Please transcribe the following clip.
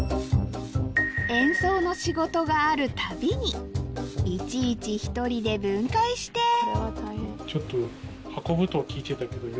演奏の仕事があるたびにいちいち１人で分解してそうなんですか？